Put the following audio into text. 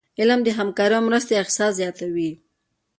علم د همکاری او مرستي احساس زیاتوي.